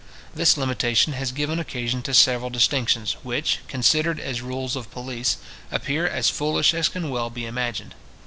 This limitation has given occasion to several distinctions, which, considered as rules of police, appear as foolish as can well be imagined.